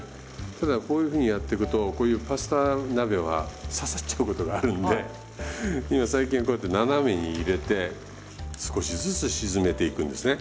ただこういうふうにやっていくとこういうパスタ鍋は刺さっちゃうことがあるんで今最近はこうやって斜めに入れて少しずつ沈めていくんですね。